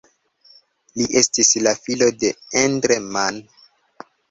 Li estis la filo de Endre Mann.